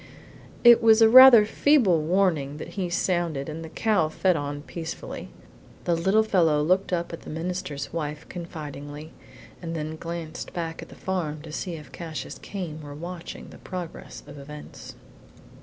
It was rather a feeble warning that he sounded and the cow fed on peacefully. The little fellow looked up at the minister's wife confidingly, and then glanced back at the farm to see if Cassius Came were watching the progress of events.